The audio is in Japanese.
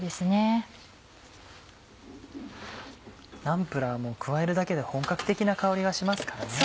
ナンプラーも加えるだけで本格的な香りがしますからね。